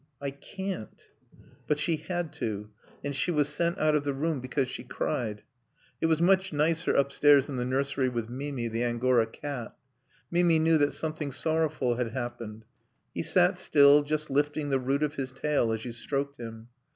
"I can't." But she had to; and she was sent out of the room because she cried. It was much nicer upstairs in the nursery with Mimi, the Angora cat. Mimi knew that something sorrowful had happened. He sat still, just lifting the root of his tail as you stroked him.